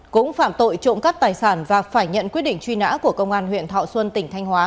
cũng phạm tội trộm cắt tài sản và phải nhận quyết định truy nã của công an huyện thọ xuân tỉnh thanh hóa